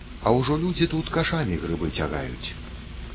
Ужо людзі тут кашамі грыбы цягаюць.